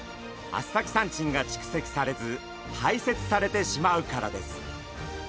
アスタキサンチンが蓄積されず排泄されてしまうからです。